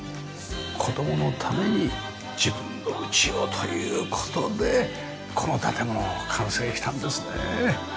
子供のために自分の家をという事でこの建物は完成したんですね。